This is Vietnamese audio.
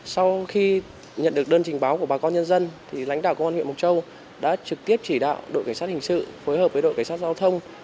sau khi nhận được đơn trình báo của bà con nhân dân lãnh đạo công an huyện mộc châu đã trực tiếp chỉ đạo đội cảnh sát hình sự phối hợp với đội cảnh sát giao thông